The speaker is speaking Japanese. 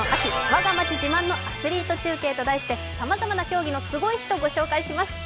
わが町自慢のアスリート中継」と題してさまざまな競技のすごい人をご紹介します。